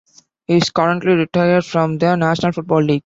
He is currently retired from the National Football League.